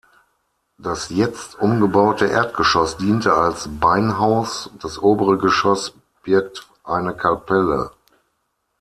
Das jetzt umgebaute Erdgeschoss diente als Beinhaus, das obere Geschoss birgt eine Kapelle.